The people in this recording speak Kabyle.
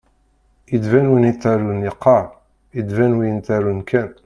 Ittban win yettarun iqqar, ittban win ittarun kan.